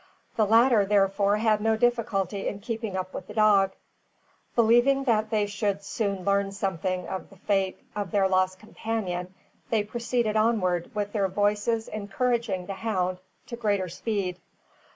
The latter, therefore, had no difficulty in keeping up with the dog. Believing that they should soon learn something of the fate of their lost companion, they proceeded onward, with their voices encouraging the hound to greater speed.